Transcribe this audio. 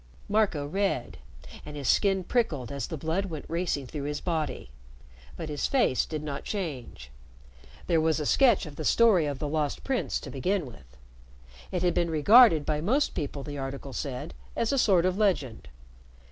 Marco read, and his skin prickled as the blood went racing through his body. But his face did not change. There was a sketch of the story of the Lost Prince to begin with. It had been regarded by most people, the article said, as a sort of legend.